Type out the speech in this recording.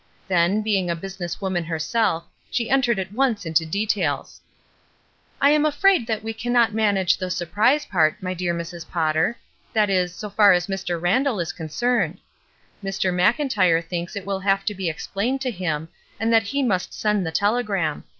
Then, being a business woman herself, she entered at once into details. I am afraid that we cannot manage the 'surprise' part, my dear Mrs. Potter; that is, so far as Mr. Randall is concerned. Mr. Mcln tyre thinks it will have to be explained to him and that he must send the telegram.